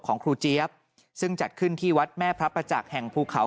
ของครูเจี๊ยบซึ่งจัดขึ้นที่วัดแม่พระประจักษ์แห่งภูเขา